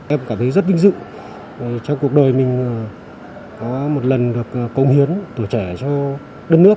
em cảm thấy rất vinh dự trong cuộc đời mình có một lần được công hiến tuổi trẻ cho đất nước